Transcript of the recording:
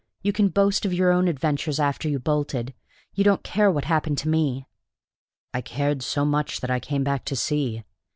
You can boast of your own adventures after you bolted. You don't care what happened to me." "I cared so much that I came back to see."